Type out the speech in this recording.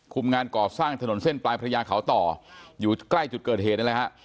งานก่อสร้างถนนเส้นปลายพระยาเขาต่ออยู่ใกล้จุดเกิดเหตุนั่นแหละฮะ